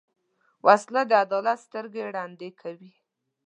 وسله د عدالت سترګې ړندې کوي